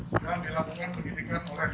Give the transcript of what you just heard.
sudah melakukan pendidikan oleh